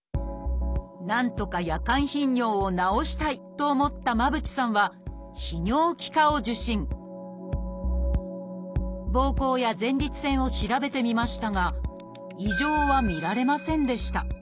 なんとか夜間頻尿を治したいと思った間渕さんはぼうこうや前立腺を調べてみましたが異常は見られませんでした。